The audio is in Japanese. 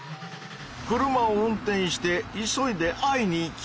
車を運転して急いで会いに行きたい。